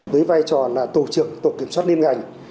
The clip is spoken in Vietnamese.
với vai trò là tổ trưởng tổ kiểm soát liên ngành